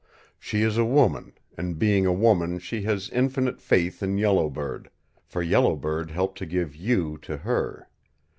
She is a woman, and being a woman she has infinite faith in Yellow Bird, for Yellow Bird helped to give you to her.